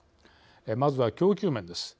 まずは供給面です。